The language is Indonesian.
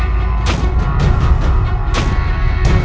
jangan sampai kau fertil erin